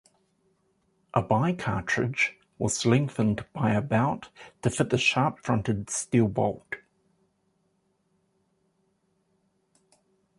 A by cartridge was lengthened by about to fit the sharp-fronted steel bolt.